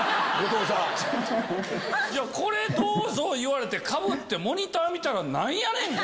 「これどうぞ」言われてかぶってモニター見たら。